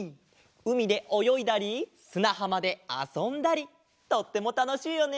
うみでおよいだりすなはまであそんだりとってもたのしいよね。